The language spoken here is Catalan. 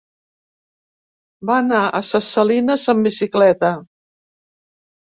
Va anar a Ses Salines amb bicicleta.